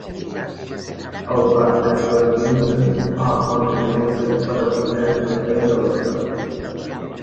Ho fa expandint-se o contraient-se per arrugar la pell de l'escrot.